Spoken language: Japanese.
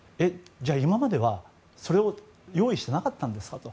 じゃあ今まではそれを用意してなかったんですかと。